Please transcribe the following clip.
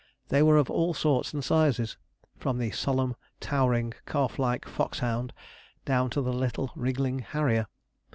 They were of all sorts and sizes, from the solemn towering calf like fox hound down to the little wriggling harrier.